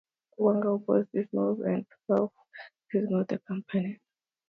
Wanger opposed this move and felt he was being squeezed out of the company.